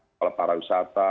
soal para wisata